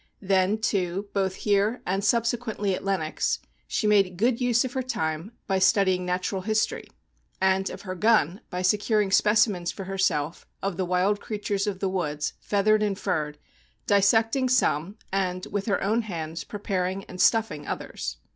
Then, too, both here, and subsequently at Lenox, she made good use of her time by studying natural history, and of her gun, by secur ing specimens for herself of the wild crea tures of the woods, feathered and furred, dissecting some, and, with her own hands, preparing and stuffing others.